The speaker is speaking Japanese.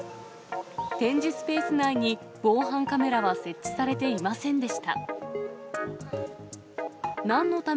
展示スペース内に防犯カメラは設置されていませんでした。